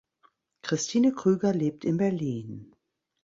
Christine Krüger lebt in Berlin.